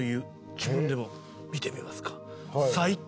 自分でも見てみますか？